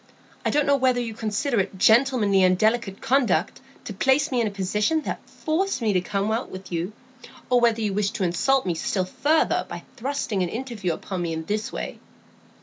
I don't know whether you consider it gentlemanly and delicate conduct to place me in a position that forced me to come out with you, or whether you wished to insult me still further by thrusting an interview upon me in this way."